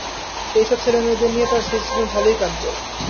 সেই সব ছেলেমেয়েদের নিয়ে তাঁর শেষজীবন ভালোই কাটবে।